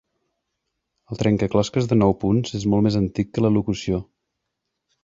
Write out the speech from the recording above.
El trencaclosques de nou punts és molt més antic que la locució.